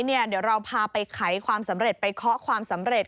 เดี๋ยวเราพาไปไขความสำเร็จไปเคาะความสำเร็จ